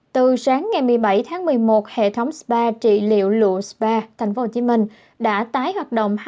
từ sáng ngày một mươi bảy tháng một mươi một hệ thống spa trị liệu lụa spa tp hồ chí minh đã tái hoạt động